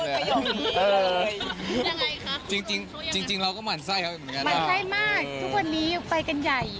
ทุกวันนี้ไปกันใหญ่